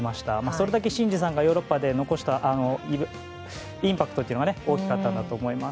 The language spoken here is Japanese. それだけ伸二さんがヨーロッパで残したインパクトというのが大きかったんだと思います。